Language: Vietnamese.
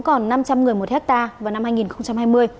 còn năm trăm linh người một hectare vào năm hai nghìn hai mươi